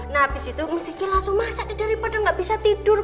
nah abis itu miss kiki langsung masak di daripada nggak bisa tidur kan bu